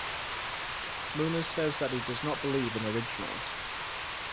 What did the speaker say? Muniz says that he does not believe in originals.